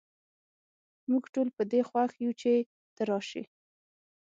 موږ ټول په دي خوښ یو چې ته راشي